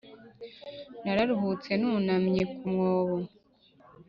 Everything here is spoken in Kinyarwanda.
nararuhutse, nunamye ku mwobo.